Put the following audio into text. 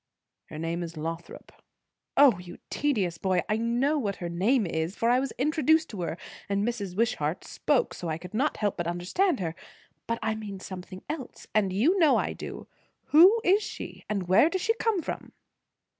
"Her name is Lothrop." "O you tedious boy! I know what her name is, for I was introduced to her, and Mrs. Wishart spoke so I could not help but understand her; but I mean something else, and you know I do. Who is she? And where does she come from?"